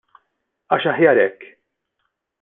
Għax aħjar hekk.